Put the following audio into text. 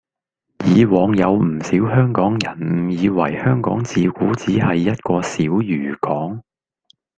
以往有唔少香港人誤以為香港自古只係一個小漁港